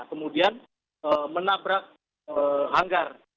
kemudian menabrak hanggar